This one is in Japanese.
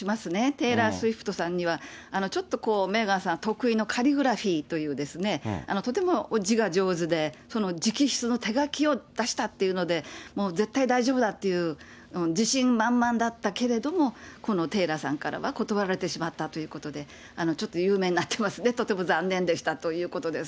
テイラー・スウィフトさんには、ちょっとメーガンさん得意のカリグラフィーというとても字が上手で、その直筆の手紙を出したっていうので、もう絶対大丈夫だっていうの、自信満々だったけれども、このテイラーさんからは断られてしまったってことで、ちょっと有名になってますね、とても残念でしたということです。